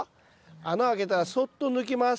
穴開けたらそっと抜きます。